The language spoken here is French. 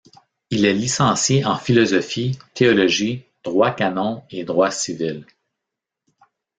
Il est licencié en philosophie, théologie, droit canon et droit civil.